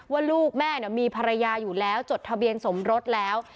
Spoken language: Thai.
ว่าลูกแม่มีภรรยาอยู่แล้วจดทะเบียนสมรสแล้ว